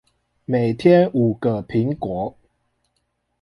每天五個蘋果